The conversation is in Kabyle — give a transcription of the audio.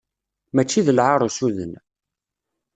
Mačči d lɛar usuden.